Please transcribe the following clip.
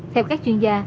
theo các chuyên gia